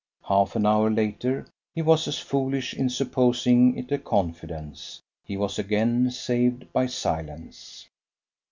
Half an hour later, he was as foolish in supposing it a confidence. He was again saved by silence.